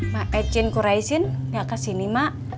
mak ejen kuraisin gak kesini mak